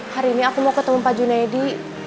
hari ini aku mau ketemu pak junaidi